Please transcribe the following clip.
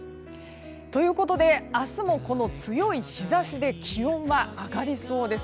ということで明日も強い日差しで気温は上がりそうです。